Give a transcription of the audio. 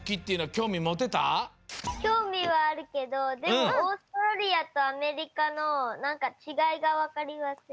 きょうみはあるけどでもオーストラリアとアメリカのなんかちがいがわかりません。